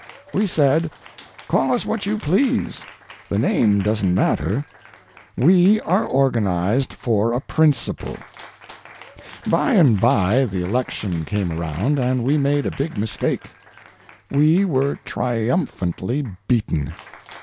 We said: "Call us what you please; the name doesn't matter. We are organized for a principle." By and by the election came around, and we made a big mistake. We were triumphantly beaten.